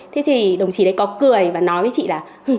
thế thì đồng chí đấy có cười và nói với chị là